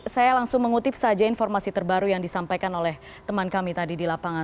saya langsung mengutip saja informasi terbaru yang disampaikan oleh teman kami tadi di lapangan